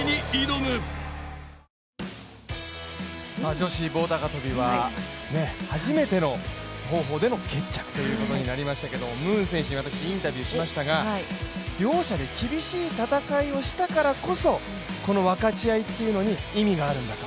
女子棒高跳は初めての方法での決着となりましたけれども、ムーン選手に私、インタビューしましたが両者で厳しい戦いをしたからこそこの分かち合いというのに意味があるんだと。